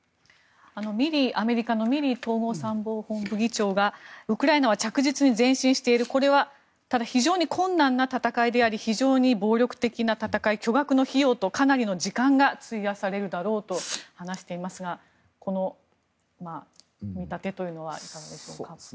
アメリカのミリー統合参謀本部議長がウクライナは着実に前進しているこれは、ただ非常に困難な戦いであり非常に暴力的な戦い巨額の費用とかなりの時間が費やされるだろうと話していますがこの見立てというのはいかがでしょうか。